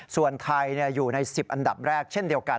ส่วนไทยอยู่ใน๑๐อันดับแรกเช่นเดียวกัน